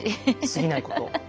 過ぎないこと。